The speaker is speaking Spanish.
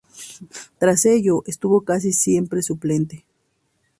Tras ello, estuvo casi siempre como suplente.